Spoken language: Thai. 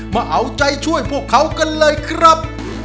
มาเอาใจช่วยพวกเขากันเลยครับ